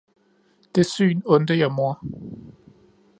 det syn undte jeg mor.